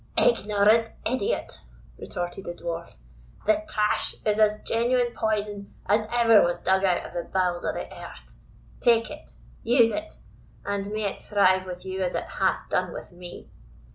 "Ignorant idiot!" retorted the Dwarf; "the trash is as genuine poison as ever was dug out of the bowels of the earth. Take it use it, and may it thrive with you as it hath done with me!"